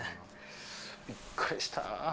びっくりした。